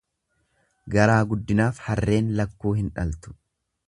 Garaa guddinaaf harreen lakkuu hin dhaltu.